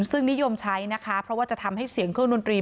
ซึ่งนิยมใช้นะคะเพราะว่าจะทำให้เสียงเครื่องดนตรี